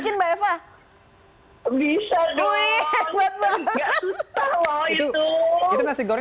jika puasa misalnya sahur atau buka puasa gitu kan